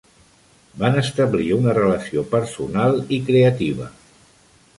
Van establir una relació personal i creativa.